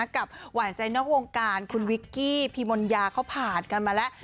หวานใจนอกวงการคุณวิกกี้พิมนยาเขาผ่านกันมาแล้ว